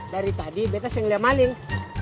dari tadi betas yang liat maling